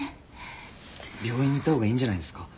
病院に行ったほうがいいんじゃないですか？